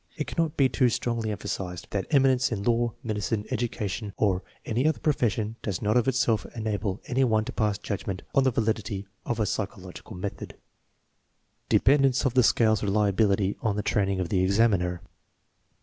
It cannot be too strongly emphasized that eminence in law, medicine, education, or any other profession does not of itself enable any one to pass judgment on the validity of a psychological method. Dependence of the scale's reliability on the training of the examiner.